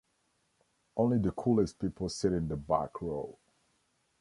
Only the coolest people sit in the back row.